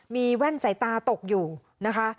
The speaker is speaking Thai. มีแว่นสายตาตกอยู่นะคะ